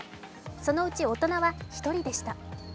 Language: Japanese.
そのうち大人は１人でした。